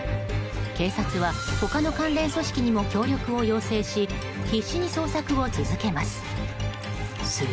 警察は他の関連組織にも協力を要請し必死に捜索を続けます。